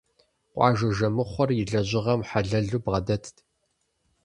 Къуажэ жэмыхъуэр и лэжьыгъэм хьэлэлу бгъэдэтт.